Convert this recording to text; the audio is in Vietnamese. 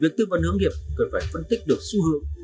việc tư vấn hướng nghiệp cần phải phân tích được xu hướng